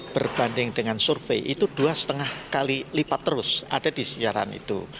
berbanding dengan survei itu dua lima kali lipat terus ada di siaran itu